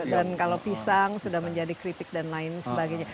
dan kalau pisang sudah menjadi keripik dan lain sebagainya